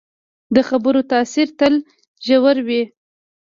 د خبرو تاثیر تل ژور وي